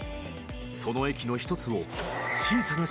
［その駅の１つを］